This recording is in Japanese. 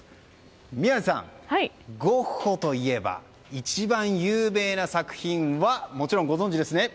宮司さん、ゴッホといえば一番有名な作品はもちろん、ご存知ですね？